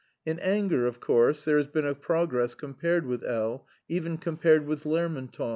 In anger, of course, there has been a progress compared with L n, even compared with Lermontov.